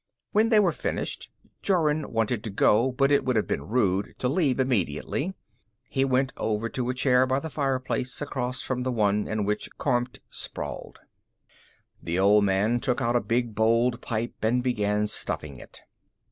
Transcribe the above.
When they were finished, Jorun wanted to go, but it would have been rude to leave immediately. He went over to a chair by the fireplace, across from the one in which Kormt sprawled. The old man took out a big bowled pipe and began stuffing it.